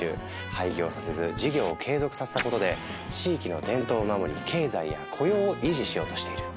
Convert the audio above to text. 廃業させず事業を継続させたことで地域の伝統を守り経済や雇用を維持しようとしている。